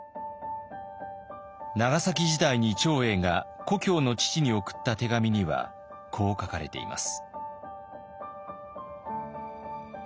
長崎時代に長英が故郷の父に送った手紙にはこう書かれています。